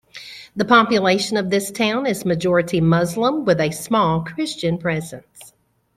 The population of this town is majority Muslim with a small Christian presence.